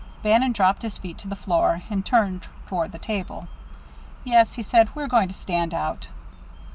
Bannon dropped his feet to the floor, and turned toward the table. "Yes," he said. "We're going to stand out."